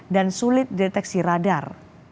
sulit deteksi radar